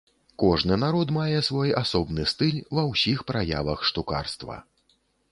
Кожны народ мае свой асобны стыль ва ўсіх праявах штукарства.